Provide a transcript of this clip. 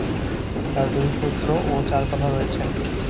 তাঁর দুই পুত্র ও চার কন্যা রয়েছেন।